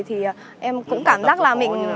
thì em cũng cảm giác là mình